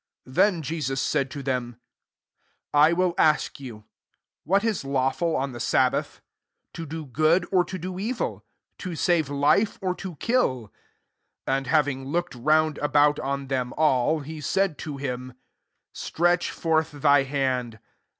9 Then Jesus said to them, « I will ask you * What is law ful on the sahhath ? to do good or to do evil 1 to save life, or to kill ?*'* 10 And having looked round ahout on them all, he said to him^ " Stretch forth thy hand."